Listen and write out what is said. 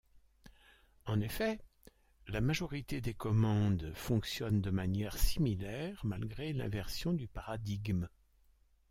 En effet, la majorité des commandes fonctionne de manière similaire, malgré l'inversion du paradigme.